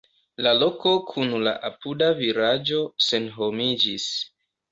La loko kun la apuda vilaĝo senhomiĝis.